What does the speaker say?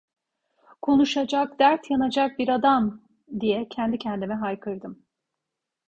"Konuşacak, dert yanacak bir adam!" diye kendi kendime haykırdım…